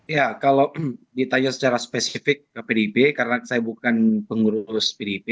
ya kalau ditanya secara spesifik ke pdip karena saya bukan pengurus pdip